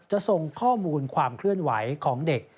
ส่งข้อมูลความเคลื่อนไหวของเด็ก